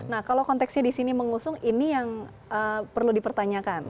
nah kalau konteksnya disini mengusung ini yang perlu dipertanyakan